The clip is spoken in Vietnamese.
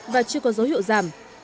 và chưa có dấu hiệu giảm